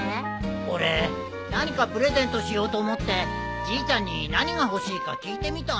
俺何かプレゼントしようと思ってじいちゃんに何が欲しいか聞いてみたんだ。